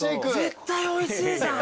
絶対おいしいじゃん。